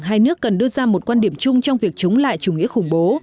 hai nước cần đưa ra một quan điểm chung trong việc chống lại chủ nghĩa khủng bố